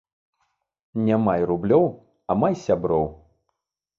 Ня май рублёў, а май сяброў